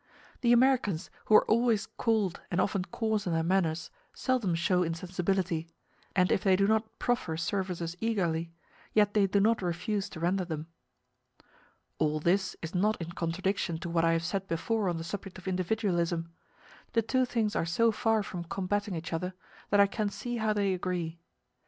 The Americans, who are always cold and often coarse in their manners, seldom show insensibility; and if they do not proffer services eagerly, yet they do not refuse to render them. All this is not in contradiction to what I have said before on the subject of individualism. The two things are so far from combating each other, that I can see how they agree.